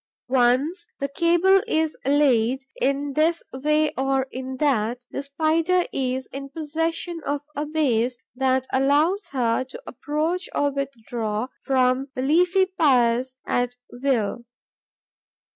Once the cable is laid, in this way or in that, the Spider is in possession of a base that allows her to approach or withdraw from the leafy piers at will.